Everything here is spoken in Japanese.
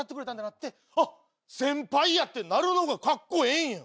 なって「あっ先輩や」ってなるのがカッコええんや。